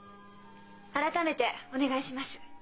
改めてお願いします。